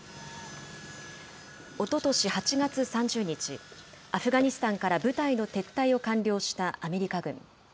おととし８月３０日、アフガニスタンから部隊の撤退を完了したアメリカ軍。